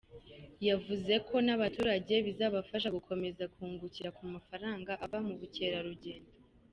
Yavuze ko n’abaturage bizabafasha gukomeza kungukira ku mafaranga ava mu bukerarugendo .